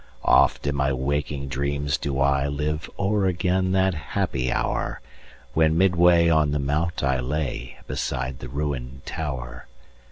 Oft in my waking dreams do ILive o'er again that happy hour, When midway on the mount I lay, Beside the ruin'd tower.